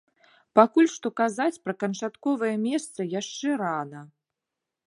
Пакуль што казаць пра канчатковае месца яшчэ рана.